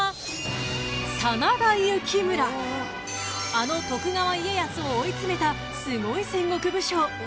［あの徳川家康を追い詰めたスゴい戦国武将］